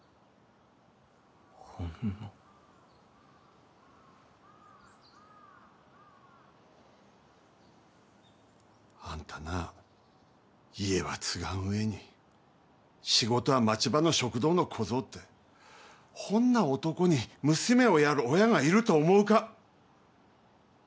ほんな・あんたな家は継がん上に仕事は街場の食堂の小僧ってほんな男に娘をやる親がいると思うか？